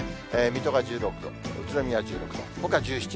水戸が１６度、宇都宮１６度、ほか１７、８度です。